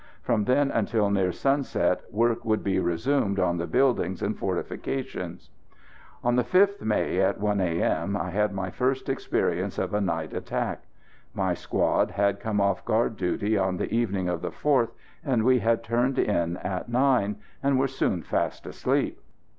From then until near sunset work would be resumed on the buildings and fortifications. On the 5th May, at 1 A.M., I had my first experience of a night attack. My squad had come off guard duty on the evening of the 4th, and we had turned in at nine, and were soon fast asleep.